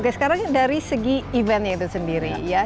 oke sekarang dari segi eventnya itu sendiri ya